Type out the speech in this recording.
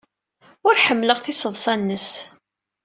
Ur ḥemmleɣ tiseḍsa-nnes.